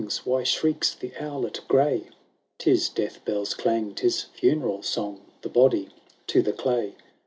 Why shrieks the owlet grey?" —" 'Tis death bells' clang, 'tis funeral song, The body to the clay.